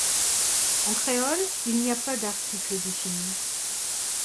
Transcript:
En créole il n’y a pas d’article défini.